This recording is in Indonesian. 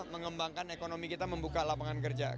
mengembangkan ekonomi kita membuka lapangan kerja